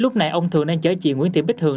lúc này ông thường đang chở chị nguyễn tị bích hường